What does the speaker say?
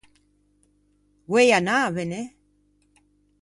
Voei anâvene?